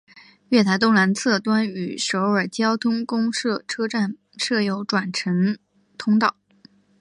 月台东南侧端与首尔交通公社车站设有转乘通道。